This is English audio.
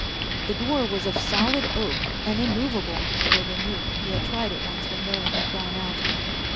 The door was of solid oak and immovable. Wilbur knew; he had tried it once when Merlin had gone out.